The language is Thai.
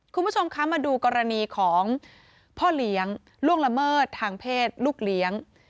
คุณผู้ชมคะมาดูกรณีของพ่อเลี้ยงล่วงละเมิดทางเพศลูกเลี้ยง